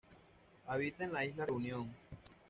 Habita en la isla Reunión.